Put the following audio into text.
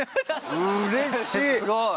うれしい！